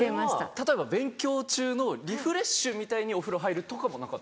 例えば勉強中のリフレッシュみたいにお風呂入るとかもなかった？